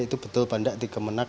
itu betul bandak di kemenang